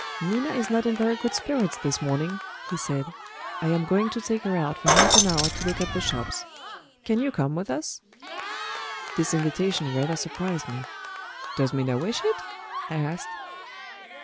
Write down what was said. "Minna is not in very good spirits this morning," he said. "I am going to take her out for half an hour to look at the shops. Can you come with us?" This invitation rather surprised me. "Does Minna wish it?" I asked.